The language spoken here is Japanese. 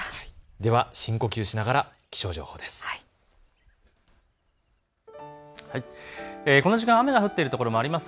では深呼吸しながら気象情報です。